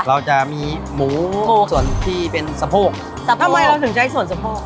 เราจะมีหมูส่วนที่เป็นสะโพกแต่ทำไมเราถึงใช้ส่วนสะโพก